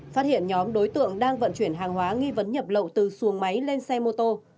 phát hiện nhóm đối tượng đang vận chuyển hàng hóa nghi vấn nhập lậu từ xuồng máy lên xe mô tô